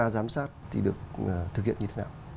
giám sát thì được thực hiện như thế nào